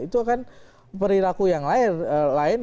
itu akan perilaku yang lain